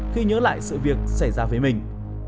khi nhớ lại sự việc xảy ra với mình